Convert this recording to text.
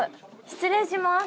失礼します。